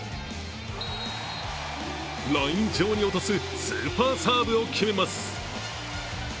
ライン上に落とすスーパーサーブを決めます。